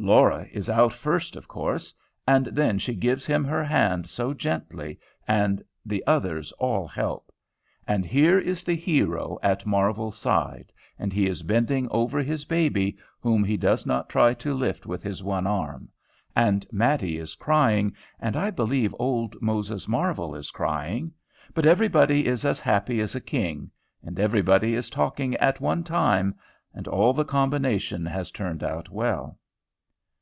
Laura is out first, of course. And then she gives him her hand so gently, and the others all help. And here is the hero at Marvel's side, and he is bending over his baby, whom he does not try to lift with his one arm, and Mattie is crying, and I believe old Moses Marvel is crying, but everybody is as happy as a king, and everybody is talking at one time, and all the combination has turned out well.